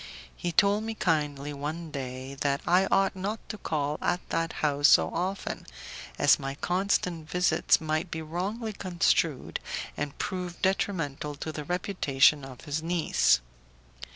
He told me kindly one day that I ought not to call at that house so often, as my constant visits might be wrongly construed, and prove detrimental to the reputation of his niece.